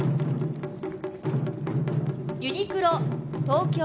ユニクロ・東京。